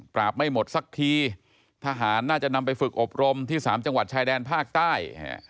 ไม่หมดสักทีทหารน่าจะนำไปฝึกอบรมที่๓จังหวัดชายแดนภาคใต้